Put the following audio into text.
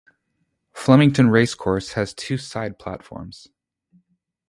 Flemington Racecourse has two side platforms.